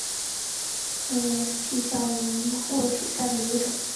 少花淫羊藿为小檗科淫羊藿属下的一个种。